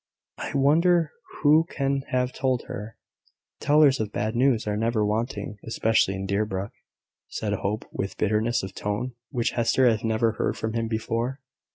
"I wonder who can have told her." "Tellers of bad news are never wanting, especially in Deerbrook," said Hope, with a bitterness of tone which Hester had never heard from him before.